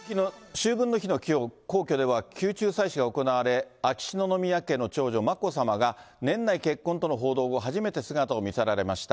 秋分の日のきょう、皇居では宮中祭祀が行われ、秋篠宮家の長女、眞子さまが、年内結婚との報道後、初めて姿を見せられました。